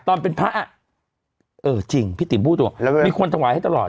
ตอนเป็นพระอ่ะเออจริงพี่ติ๋มพูดตัวมีคนถวายให้ตลอด